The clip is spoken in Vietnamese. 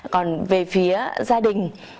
còn về phía gia đình